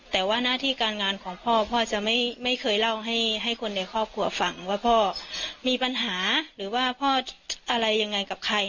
แต่ว่าหน้าที่การงานของพ่อพ่อจะไม่เคยเล่าให้คนในครอบครัวฟังว่าพ่อมีปัญหาหรือว่าพ่ออะไรยังไงกับใคร